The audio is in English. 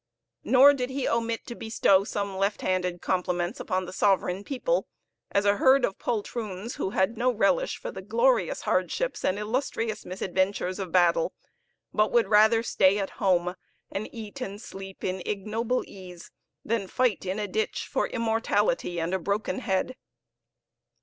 Nor did he omit to bestow some left handed compliments upon the sovereign people, as a heard of poltroons, who had no relish for the glorious hardships and illustrious misadventures of battle, but would rather stay at home, and eat and sleep in ignoble ease, than fight in a ditch for immortality and a broken head.